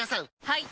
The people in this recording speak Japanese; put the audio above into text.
はい！